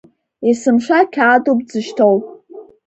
Есымша қьаадуп дзышьҭоу.